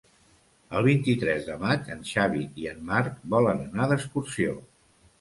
El vint-i-tres de maig en Xavi i en Marc volen anar d'excursió.